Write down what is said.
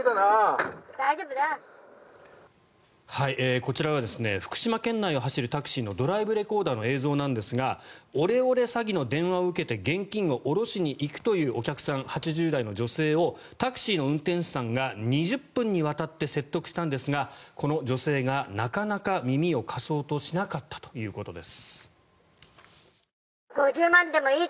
こちらは福島県内を走るタクシーのドライブレコーダーの映像なんですがオレオレ詐欺の電話を受けて現金を下ろしに行くというお客さん８０代の女性をタクシーの運転手さんが２０分にわたって説得したんですがこの女性がなかなか耳を貸そうとしなかったということです。